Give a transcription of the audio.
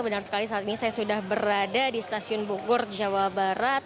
benar sekali saat ini saya sudah berada di stasiun bogor jawa barat